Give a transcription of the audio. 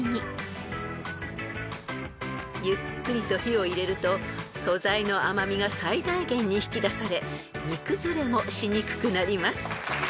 ［ゆっくりと火を入れると素材の甘味が最大限に引き出され煮崩れもしにくくなります］